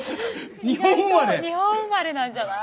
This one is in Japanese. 日本生まれなんじゃない？